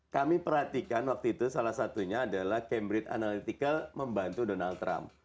kami perhatikan waktu itu salah satunya adalah cambrid analytical membantu donald trump